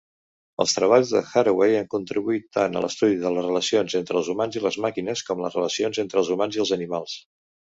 Els treballs de Haraway han contribuït tant a l'estudi de les relacions entre els humans i les màquines, com de les relacions entre els humans i els animals.